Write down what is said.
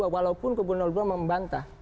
walaupun kubu dua membantah